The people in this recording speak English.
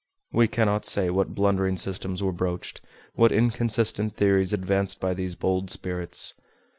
We cannot say what blundering systems were broached, what inconsistent theories advanced by these bold spirits.